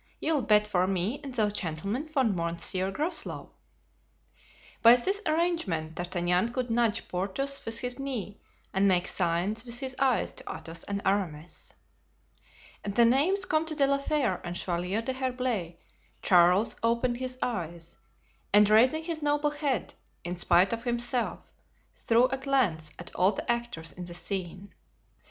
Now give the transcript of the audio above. You'll bet for me and those gentlemen for Monsieur Groslow." By this arrangement D'Artagnan could nudge Porthos with his knee and make signs with his eyes to Athos and Aramis. At the names Comte de la Fere and Chevalier d'Herblay, Charles opened his eyes, and raising his noble head, in spite of himself, threw a glance at all the actors in the scene.